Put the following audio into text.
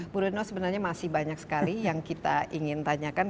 murno sebenarnya masih banyak sekali yang kita ingin tanyakan